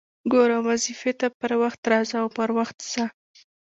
ګوره! واظيفې ته پر وخت راځه او پر وخت ځه!